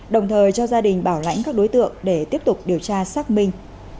đồng thời cho gia đình bảo lãnh các đối tượng để tiếp tục điều tra xác minh